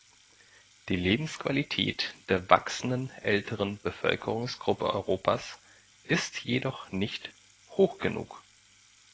Die Lebensqualität der wachsenden älteren Bevölkerungsgruppe Europas ist jedoch nicht hoch genug.